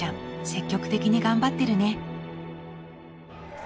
積極的に頑張ってるね